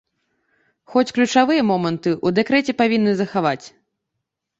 Хоць ключавыя моманты ў дэкрэце павінны захаваць.